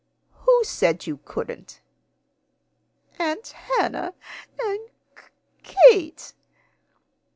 "Who said you couldn't?" "Aunt Hannah and K Kate."